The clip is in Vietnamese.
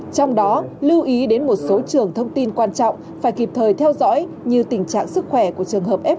trong đó lưu ý đến một số trường thông tin quan trọng phải kịp thời theo dõi như tình trạng sức khỏe của trường hợp f một